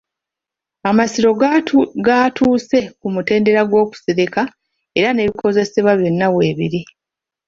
Amasiro gatuuse ku mutendera gw'okusereka era n'ebikozesebwa byonna weebiri.